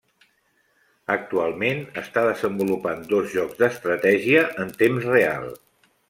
Actualment està desenvolupant dos jocs d'estratègia en temps real.